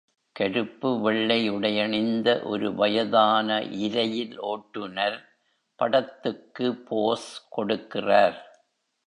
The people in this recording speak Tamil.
கருப்பு வெள்ளை உடையணிந்த ஒரு வயதான இரயில் ஓட்டுநர் படத்துக்கு போஸ் கொடுக்கிறார்.